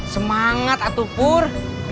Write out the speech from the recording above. semangat atu pur